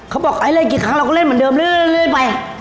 เขาบอกให้เล่นกี่ครั้งเราก็เล่นเหมือนเดิมเรื่อยไป